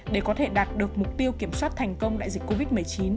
để có thể đạt được mục tiêu kiểm soát thành công đại dịch covid một mươi chín